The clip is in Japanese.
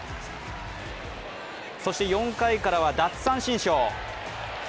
そして４回からは奪三振ショー。